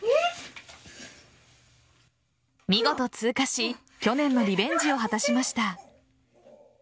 見事通過し去年のリベンジを果たしました。